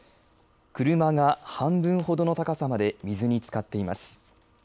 車が半分ほどの高さまで水につかっています。